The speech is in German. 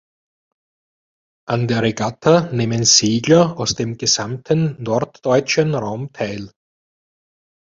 An der Regatta nehmen Segler aus dem gesamten norddeutschen Raum teil.